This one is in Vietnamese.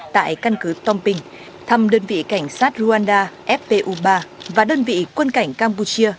tại căn cứ tomping thăm đơn vị cảnh sát rwanda fpu ba và đơn vị quân cảnh campuchia